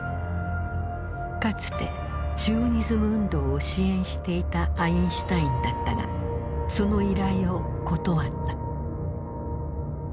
かつてシオニズム運動を支援していたアインシュタインだったがその依頼を断った。